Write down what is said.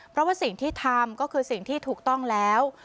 เพราะว่าสิ่งที่ทำก็คือสิ่งที่ถูกต้องแล้ว